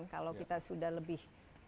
kalau kita sudah lebih